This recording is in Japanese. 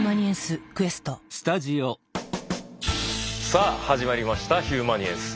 さあ始まりました「ヒューマニエンス」。